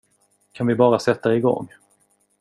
Kan vi bara sätta igång?